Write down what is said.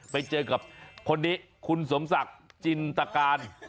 ไปเจอกับคนนี้คุณสมศักดิ์จินตการ